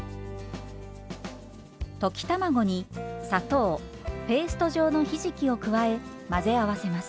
溶き卵に砂糖ペースト状のひじきを加え混ぜ合わせます。